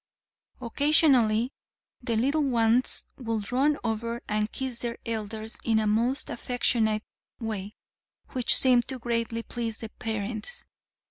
Occasionally the little ones would run over and kiss their elders in a most affectionate way, which seemed to greatly please the parents.